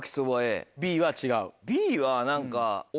Ｂは違う。